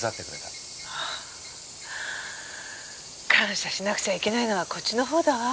ああ。感謝しなくちゃいけないのはこっちのほうだわ。